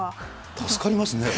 助かりますね。